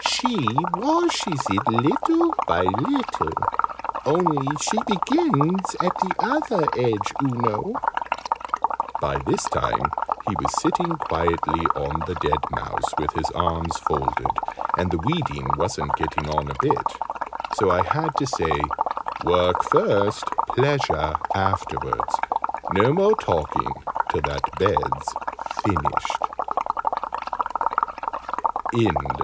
She washes it little by little only she begins at the other edge, oo know." By this time he was sitting quietly on the dead mouse with his arms folded, and the weeding wasn't getting on a bit: so I had to say "Work first, pleasure afterwards: no more talking till that bed's finished."